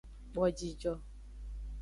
Kpo jijo.